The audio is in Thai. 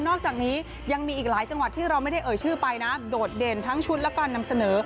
อกจากนี้ยังมีอีกหลายจังหวัดที่เราไม่ได้เอ่ยชื่อไปนะโดดเด่นทั้งชุดและการนำเสนอ